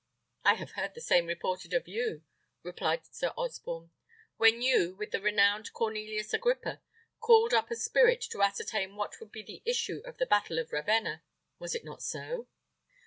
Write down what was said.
"I have heard the same reported of you," replied Sir Osborne, "when you, with the renowned Cornelius Agrippa, called up a spirit to ascertain what would be the issue of the battle of Ravenna. Was it not so?"